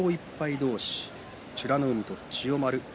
同士美ノ海に千代丸。